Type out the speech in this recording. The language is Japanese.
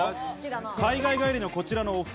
海外帰りのこちらのお２人。